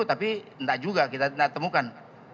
tapi tidak juga kita tidak temukan